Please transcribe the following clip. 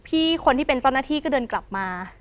คนที่เป็นเจ้าหน้าที่ก็เดินกลับมา